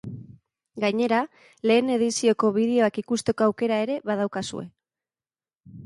Gainera, lehen edizioko bideoak ikusteko aukera ere badaukazue.